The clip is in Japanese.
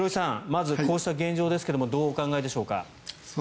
まずこうした現状ですがどうお考えでしょうか。